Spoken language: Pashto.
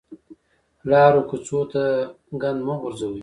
لارو کوڅو ته ګند مه غورځوئ